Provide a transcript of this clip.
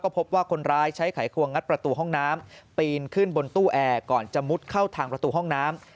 พบว่าคนร้ายใช้ไขควงงัดประตูห้องน้ำปีนขึ้นบนตู้แอร์ก่อนจะมุดเข้าทางประตูห้องน้ำ